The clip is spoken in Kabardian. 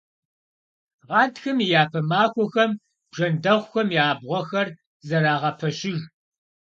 Гъатхэм и япэ махуэхэм бжэндэхъухэм я абгъуэхэр зэрагъэпэщыж.